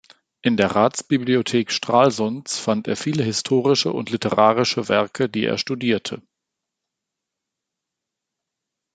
In der Ratsbibliothek Stralsunds fand er viele historische und literarische Werke, die er studierte.